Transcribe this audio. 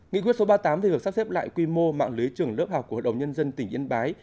nghị quyết số ba mươi tám thì được sắp xếp lại quy mô mạng lưới trường lớp học của hợp đồng nhân dân tỉnh yên bái